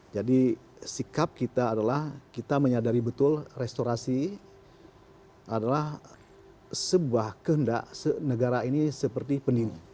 jadi sikap kita adalah kita menyadari betul restorasi adalah sebuah kehendak negara ini seperti pendini